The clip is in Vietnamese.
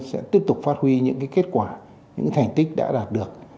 sẽ tiếp tục phát huy những kết quả những thành tích đã đạt được